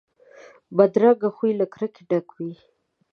بدرنګه خوی له کرکې ډک وي